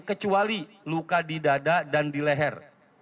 kecuali luka di dada dan di leher